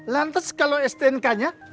lantas kalau stnk nya